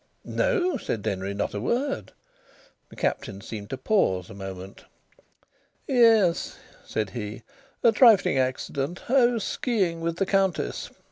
"No," said Denry, "not a word." The Captain seemed to pause a moment. "Yes," said he. "A trifling accident. I was ski ing with the Countess.